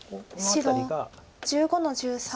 白１５の十三。